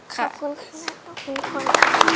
ขอบคุณครับ